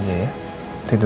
susah ya nanti ya